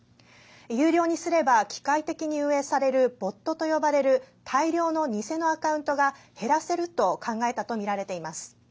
有料にすれば機械的に運営されるボットと呼ばれる大量の偽のアカウントが減らせると考えたとみられています。